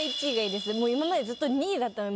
今までずっと２位だったので。